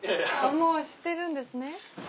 もう知ってるんですね。